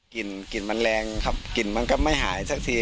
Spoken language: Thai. กลิ่นกลิ่นมันแรงครับกลิ่นมันก็ไม่หายสักที